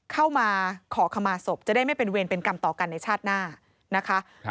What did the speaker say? เข้ามาขอขมาศพจะได้ไม่เป็นเวรเป็นกรรมต่อกันในชาติหน้านะคะ